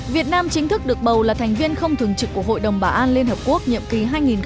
việt nam chính thức được bầu là thành viên không thường trực của hội đồng bảo an liên hợp quốc nhiệm ký hai nghìn hai mươi